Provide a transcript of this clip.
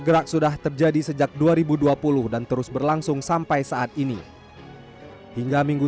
gerak sudah terjadi sejak dua ribu dua puluh dan terus berlangsung sampai saat ini hingga minggu